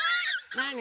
なに？